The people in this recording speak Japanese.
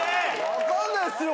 分かんないっすよ